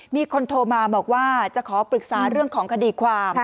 มีคนโทรมาบอกว่าจะขอปรึกษาเรื่องของคดีความ